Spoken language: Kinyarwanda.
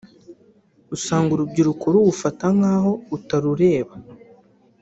usanga urubyiruko ruwufata nk’aho utarureba